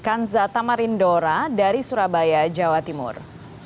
kanza tamarindora dari surabaya jawa timur